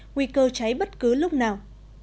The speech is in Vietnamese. nguy cơ cháy bất cứ lúc nào